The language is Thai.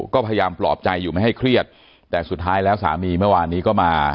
ก็พยายามปลอบใจอยู่ไม่ให้เครียดแต่สุดท้ายแล้วสามีเมื่อวานนี้ก็มา